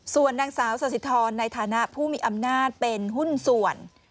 ส่วนนางสาวสาธิธรในฐานะผู้มีอำนาจเป็นหุ้นส่วน